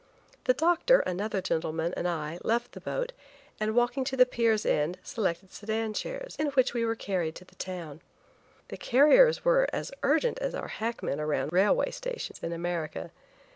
The doctor, another gentleman, and I left the boat, and walking to the pier's end selected sedan chairs, in which we were carried to the town. The carriers were as urgent as our hackmen around railway stations in America.